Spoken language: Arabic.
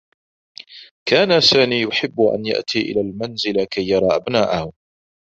كان ساني يحبّ أن يأتي إلى المنزل كي يرى أبناءه.